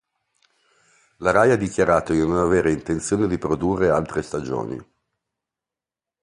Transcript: La Rai ha dichiarato di non avere intenzione di produrre altre stagioni.